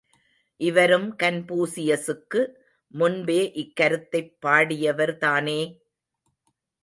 இவரும் கன்பூசியசுக்கு முன்பே இக்கருத்தைப் பாடியவர் தானே!